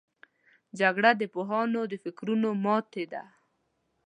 جګړه د پوهانو د فکرونو ماتې ده